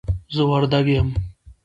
زه وردګ یم